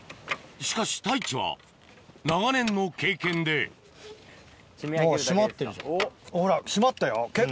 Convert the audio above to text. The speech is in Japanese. しかし太一は長年の経験でほら。